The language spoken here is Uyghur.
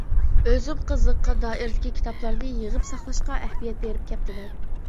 ئۆزۈم قىزىققان دائىرىدىكى كىتابلارنى يىغىپ ساقلاشقا ئەھمىيەت بېرىپ كەپتىمەن.